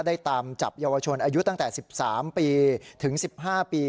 ได้ตามจับเยาวชนอายุตั้งแต่๑๓ปีถึง๑๕ปี